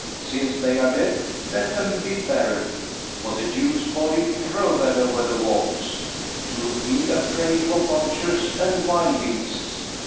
Since they are dead, let them be buried: For the Jew's body, throw that o'er the walls, To be a prey for vultures and wild beasts.